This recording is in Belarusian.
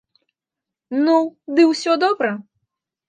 Ну, ды ўсё добра!